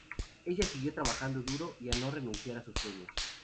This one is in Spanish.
Ella siguió trabajando duro y a no renunciar a sus sueños.